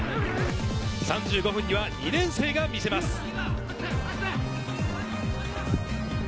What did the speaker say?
３５分には２年生が見せます。